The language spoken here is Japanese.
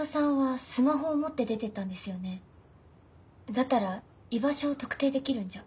だったら居場所を特定できるんじゃ。